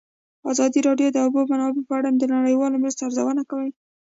ازادي راډیو د د اوبو منابع په اړه د نړیوالو مرستو ارزونه کړې.